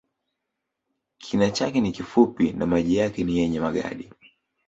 Kina chake ni kifupi na maji yake ni yenye magadi